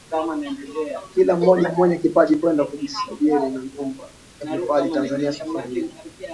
kila mmoja mwenye kipaji kwenda kujisajiri na nyumba ya vipaji Tanzania safari hii